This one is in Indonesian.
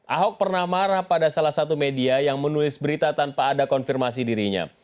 ahok pernah marah pada salah satu media yang menulis berita tanpa ada konfirmasi dirinya